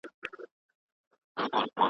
نړیوال ملاتړ د ملي پروژو د تطبیق لپاره مهم دی.